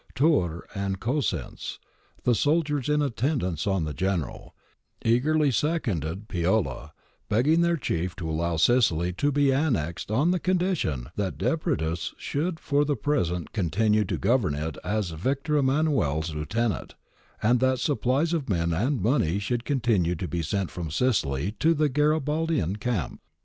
Turr and Cosenz, the soldiers in attendance on the General, eagerly seconded Piola, begging their chief to allow Sicily to be annexed on condition that Depretis should for the present con tinue to govern it as Victor Emmanuel's lieutenant, and that supplies of men and money should continue to be sent from Sicily to the Garibaldian camp.